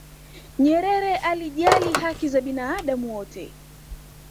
nyerere alijali haki za binadamu wote